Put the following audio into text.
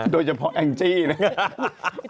โดยเฉพาะแองจี้เนี่ย